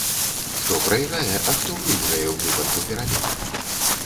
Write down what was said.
Хто прайграе, а хто выйграе ў выпадку перамен?